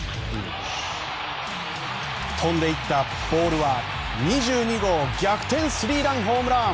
飛んで行ったボールは２２号逆転スリーランホームラン。